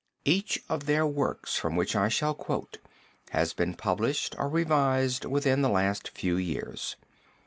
Each of their works from which I shall quote has been published or revised within the last few years.